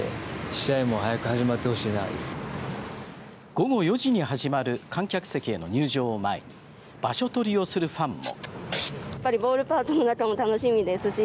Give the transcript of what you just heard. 午後４時に始まる観客席への入場を前に場所取りをするファンも。